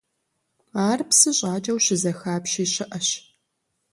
Ар псы щӀакӀэу щызэхапщи щыӀэщ.